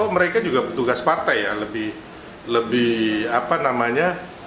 mereka juga petugas partai ya